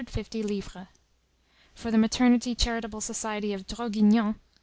250 " For the maternity charitable society of Draguignan .